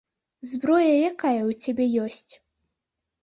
Зброя якая ў цябе ёсць?